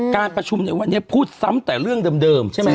การประชุมในวันนี้พูดซ้ำแต่เรื่องเดิมใช่ไหมฮ